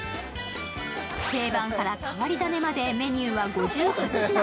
定番から変わり種までメニューは５８品。